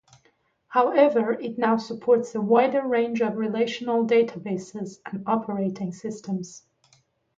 However, it now supports a wider range of relational databases and operating systems.